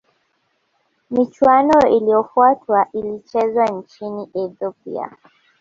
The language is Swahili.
michuano iliyofuata ilichezwa nchini ethiopia